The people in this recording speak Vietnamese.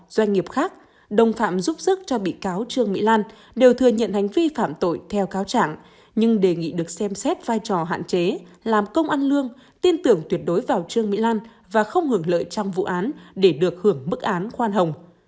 doanh nghiệp khác đồng phạm giúp sức cho bị cáo trương mỹ lan đều thừa nhận hành vi phạm tội theo cáo trạng nhưng đề nghị được xem xét vai trò hạn chế làm công ăn lương tin tưởng tuyệt đối vào trương mỹ lan và không hưởng lợi trong vụ án để được hưởng mức án khoan hồng